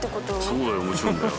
そうだよもちろんだよ